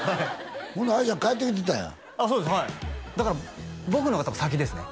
ほんならあいちゃん帰ってきてたんやそうですはいだから僕のが多分先ですね